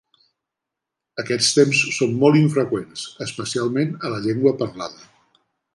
Aquests temps són molt infreqüents, especialment a la llengua parlada.